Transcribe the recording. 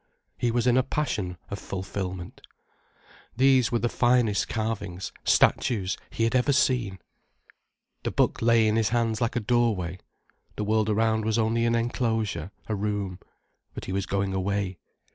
He was in a passion of fulfilment. These were the finest carvings, statues, he had ever seen. The book lay in his hands like a doorway. The world around was only an enclosure, a room. But he was going away.